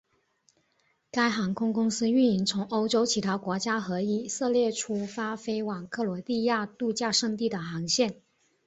该航空公司运营从欧洲其他国家和以色列出发飞往克罗地亚度假胜地的航线。